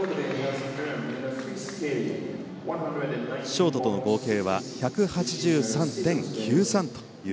ショートとの合計は１８３．９３。